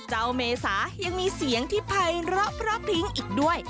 เจ้าเมษายังมีเสียงที่ไผร่รอปพิ้งอีกด้วย